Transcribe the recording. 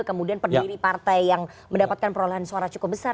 kemudian pendiri partai yang mendapatkan perolehan suara cukup besar